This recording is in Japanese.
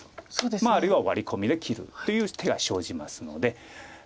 まああるいはワリコミで切るという手が生じますので。